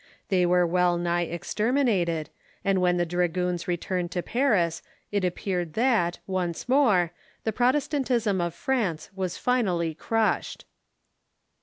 They were well nigh exterminated, and Avhen the dragoons returned to Paris it appeared that, once more, the Protestantism of France was finally crushed.